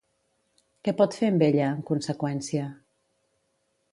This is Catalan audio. Què pot fer amb ella, en conseqüència?